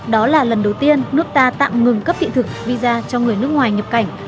đó là lần đầu tiên nước ta tạm ngừng cấp thị thực visa cho người nước ngoài nhập cảnh